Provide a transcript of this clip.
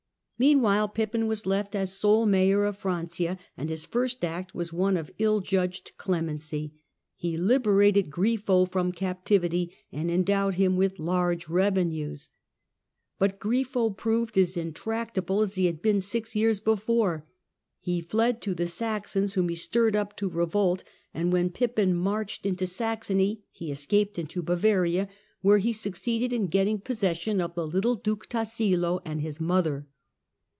Meanwhile Pippin was left as sole Mayor of Francia, Grifo d his first act was one of ill judged clemency. He berated Grifo from captivity and endowed him with | large revenues ". But Grifo proved as intractable as e had been six years before. He fled to the Saxons, arhom he stirred up to revolt, and when Pippin marched nto Saxony he escaped into Bavaria, where he succeeded n getting possession of the little Duke Tassilo and his nother.